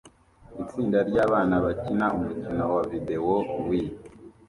Itsinda ryabana bakina umukino wa videwo Wii